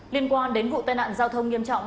liên quan đến vụ tai nạn giao thông nghiêm trọng